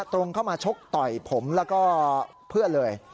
ตรงเข้ามาชกต่อยผมแล้วก็เพื่อนเลย